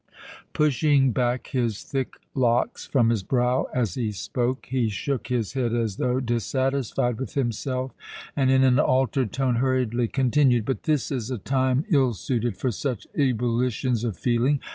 Pushing back his thick locks from his brow as he spoke, he shook his head as though dissatisfied with himself and, in an altered tone, hurriedly continued: "But this is a time ill suited for such ebullitions of feeling.